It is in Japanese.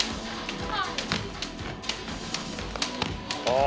ああ。